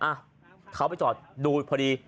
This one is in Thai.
อ่ะเขาไปจอดดูพอดี